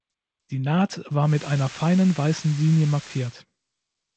Die Naht war mit einer feinen weißen Linie markiert.